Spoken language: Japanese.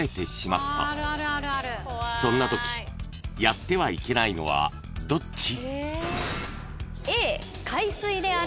［そんなときやってはいけないのはどっち？］